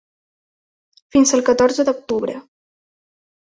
Fins al catorze d’octubre.